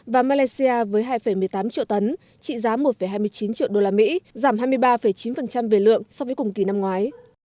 và malaysia với hai một mươi tám triệu tấn trị giá một hai mươi chín triệu usd giảm hai mươi ba chín về lượng so với cùng kỳ năm ngoái